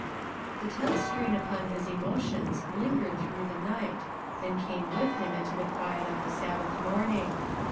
The tense strain upon liis emotions lingered tiu ough the night, and came with him into the quiet of tiie Sabbath morning.